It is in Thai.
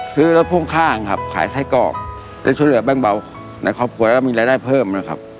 ซื้อรถพ่วงข้างครับขายไส้กรอกได้ช่วยเหลือแบงเบาในครอบครัวแล้วก็มีรายได้เพิ่มนะครับ